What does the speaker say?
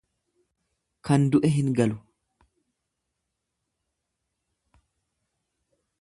Kan du'e hin galu.